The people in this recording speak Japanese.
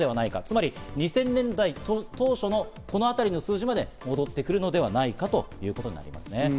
つまり２０００年代当初のこのあたりの数字まで戻ってくるのではないかということになりますね。